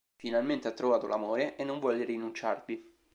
Finalmente ha trovato l'amore e non vuole rinunciarvi.